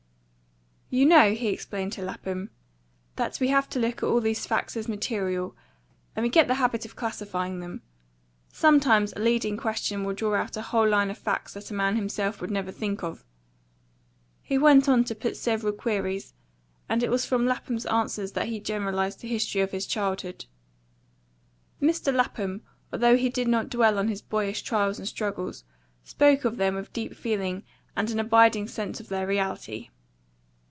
"You know," he explained to Lapham, "that we have to look at all these facts as material, and we get the habit of classifying them. Sometimes a leading question will draw out a whole line of facts that a man himself would never think of." He went on to put several queries, and it was from Lapham's answers that he generalised the history of his childhood. "Mr. Lapham, although he did not dwell on his boyish trials and struggles, spoke of them with deep feeling and an abiding sense of their reality."